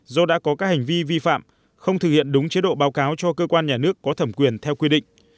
do đã có các hành vi vi phạm không thực hiện đúng chế độ báo cáo cho cơ quan nhà nước có thẩm quyền theo quy định